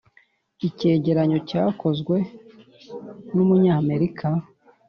icyegeranyo cyakozwe n’umunyamerika